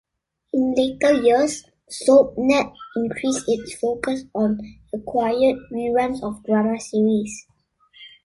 In later years, Soapnet increased its focus on acquired reruns of drama series.